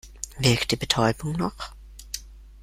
Wirkt die Betäubung noch?